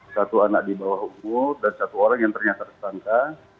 satu anak di bawah umur dan satu orang yang ternyata tersangka